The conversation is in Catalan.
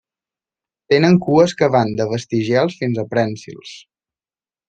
Tenen cues que van de vestigials fins a prènsils.